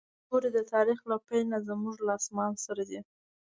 ستوري د تاریخ له پیل نه زموږ له اسمان سره دي.